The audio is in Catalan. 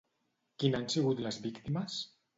Qui n'han sigut les víctimes?